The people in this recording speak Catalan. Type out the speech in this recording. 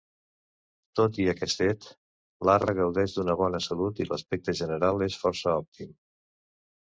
Tot i aquest fet, l'arbre gaudeix d'una bona salut i l'aspecte general és força òptim.